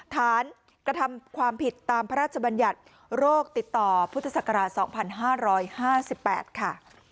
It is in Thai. ฐานกระทำความผิดตามพระราชบัญญัติโรคติดต่อพุทธศักราช๒๕๕๘ค่ะ